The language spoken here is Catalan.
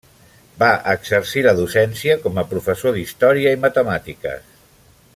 Va exercir la docència com a professor d'història i matemàtiques.